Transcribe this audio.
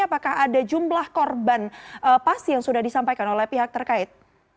apakah ada jumlah korban pasti yang sudah disampaikan oleh pihak terkait